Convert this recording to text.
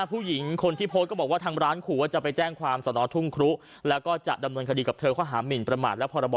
มึงพูดเหมือนทางร้านเขาไม่รับผิดชอบ